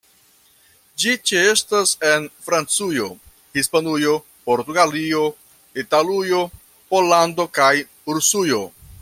Ĝi ĉeestas en Francujo, Hispanujo, Portugalio, Italujo, Pollando kaj Rusujo.